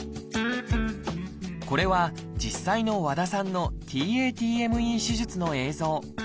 これは実際の和田さんのＴａＴＭＥ手術の映像。